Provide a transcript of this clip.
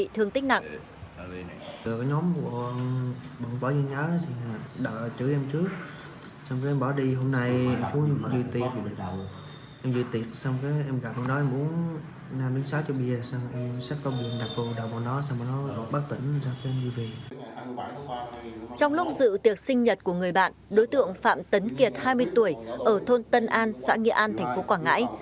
trong lúc dự tiệc sinh nhật của người bạn đối tượng phạm tấn kiệt hai mươi tuổi ở thôn tân an xã nghĩa an tp quảng ngãi